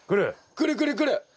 くるくるくる。